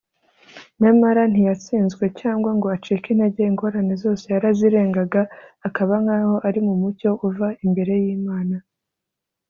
. Nyamara ntiyatsinzwe cyangwa ngo acike intege. Ingorane zose yarazirengaga, akaba nkaho ari mu mucyo uva imbere y’Imana.